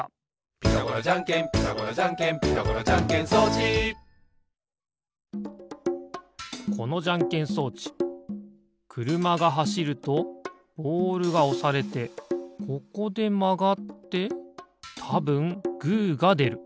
「ピタゴラじゃんけんピタゴラじゃんけん」「ピタゴラじゃんけん装置」このじゃんけん装置くるまがはしるとボールがおされてここでまがってたぶんグーがでる。